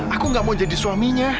aku gak mau jadi suaminya